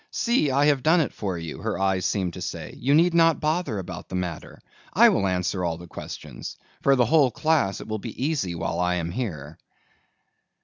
"See, I have done it for you," her eyes seemed to say. "You need not bother about the matter. I will answer all questions. For the whole class it will be easy while I am here."